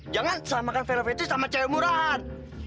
jangan selamatkan velovi itu sama cewek murahan